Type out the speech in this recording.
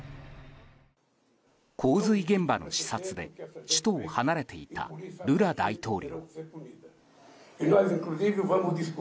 洪水現場の視察で首都を離れていたルラ大統領。